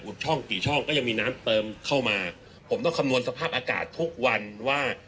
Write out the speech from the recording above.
ช่องกี่ช่องก็ยังมีน้ำเติมเข้ามาผมต้องคำนวณสภาพอากาศทุกวันว่า